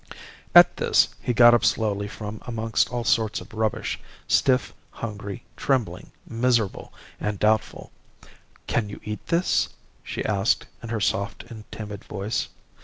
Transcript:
"At this he got up slowly from amongst all sorts of rubbish, stiff, hungry, trembling, miserable, and doubtful. 'Can you eat this?' she asked in her soft and timid voice.